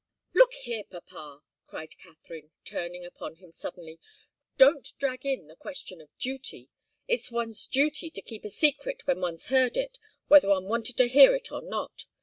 "Look here, papa!" cried Katharine, turning upon him suddenly. "Don't drag in the question of duty. It's one's duty to keep a secret when one's heard it whether one wanted to hear it or not.